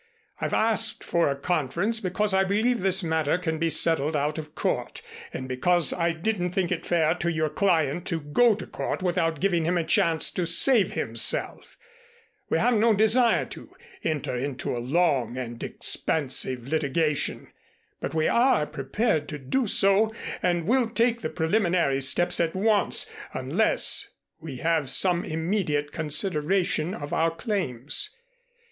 I've asked for a conference because I believe this matter can be settled out of court, and because I didn't think it fair to your client to go to court without giving him a chance to save himself. We have no desire to enter into a long and expensive litigation, but we are prepared to do so and will take the preliminary steps at once, unless we have some immediate consideration of our claims.